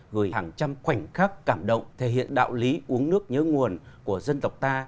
gửi hàng trăm khoảnh khắc cảm động thể hiện đạo lý uống nước nhớ nguồn của dân tộc ta